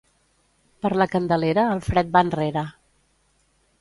Per la Candelera el fred va enrere.